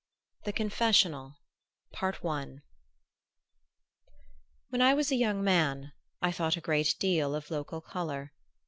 THE CONFESSIONAL When I was a young man I thought a great deal of local color.